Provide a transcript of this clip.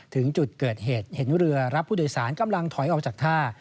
ถึงจุดเกิดเหตุเห็นเรือรับผู้โดยสารกำลังถอยออกจากท่า